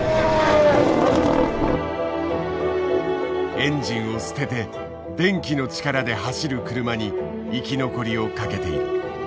エンジンを捨てて電気の力で走る車に生き残りをかけている。